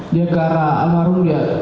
dia ke arah almarhum